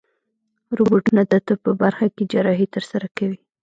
روبوټونه د طب په برخه کې جراحي ترسره کوي.